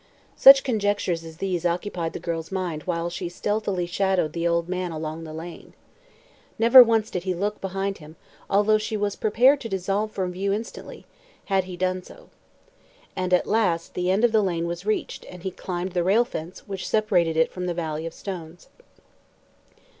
Such conjectures as these occupied the girl's mind while she stealthily "shadowed" the old man along the lane. Never once did he look behind him, although she was prepared to dissolve from view instantly, had he done so. And at last the end of the lane was reached and he climbed the rail fence which separated it from the valley of stones.